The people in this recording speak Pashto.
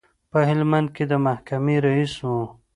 په هلمند کې د محکمې رئیس و.